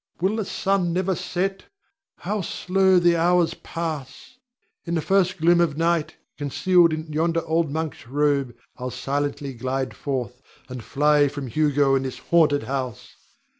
Will the sun never set? How slow the hours pass! In the first gloom of night, concealed in yonder old monk's robe, I'll silently glide forth, and fly from Hugo and this haunted house.